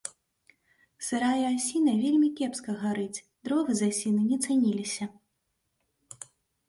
Сырая асіна вельмі кепска гарыць, дровы з асіны не цаніліся.